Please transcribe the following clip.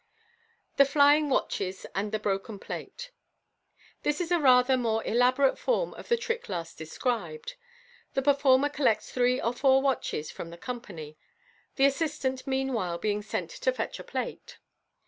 The Flying Watches and the Broken Plate. — This is a rather more elaborate form of the trick last described. The performer collects three or four watches from the company, the assistant, mean while, being sent to fetch a plate.